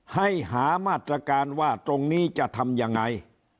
ให้หามาตรการว่าตรงนี้จะทำยังไง